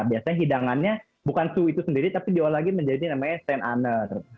biasanya hidangannya bukan sus itu sendiri tapi jauh lagi menjadi namanya stene ane